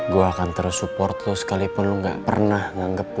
gue akan terus support lo sekalipun lo ga pernah nganggep gue